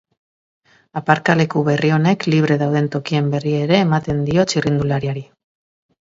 Aparkaleku berri honek, libre dauden tokien berri ere ematen dio txirrindulariari.